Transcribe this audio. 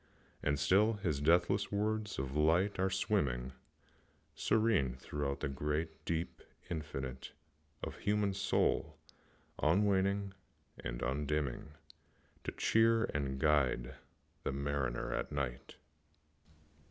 And still his deathless words of light are swimming Serene throughout the great, deep infinite Of human soul, unwaning and undimming, To cheer and guide the mariner at night.